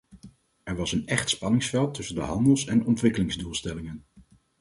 Er was een echt spanningsveld tussen de handels- en ontwikkelingsdoelstellingen.